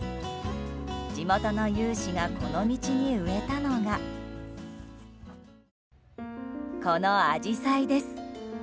地元の有志がこの道に植えたのがこのアジサイです。